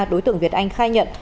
đối tượng việt anh khai nhận